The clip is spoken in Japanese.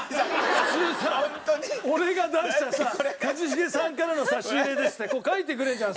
普通さ俺が出したさ「一茂さんからの差し入れです」って書いてくれるじゃん